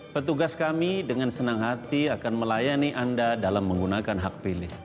petugas kami dengan senang hati akan melayani anda dalam menggunakan hak pilih